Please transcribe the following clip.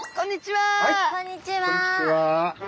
はいこんにちは。